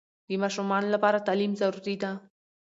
د ماشومانو لپاره تعلیم ضروري ده